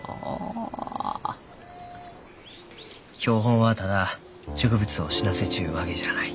標本はただ植物を死なせちゅうわけじゃない。